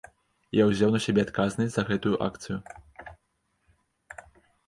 Я ўзяў на сябе адказнасць за гэтую акцыю.